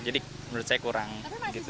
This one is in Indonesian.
jadi menurut saya kurang gitu